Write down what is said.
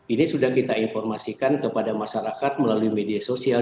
ini sudah kita informasikan kepada masyarakat melalui media sosial